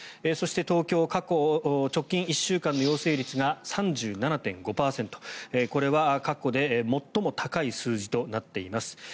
そして、東京直近１週間の陽性率が３７．５％これは過去で最も高い数字となっています。